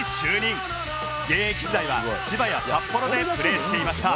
現役時代は千葉や札幌でプレーしていました